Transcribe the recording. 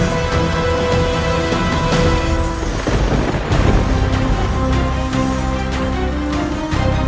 sekarang itu isu komputer ibu saya